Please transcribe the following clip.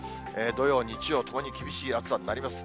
土曜、日曜、ともに厳しい暑さになります。